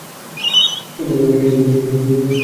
সত্যি করে বলো তো?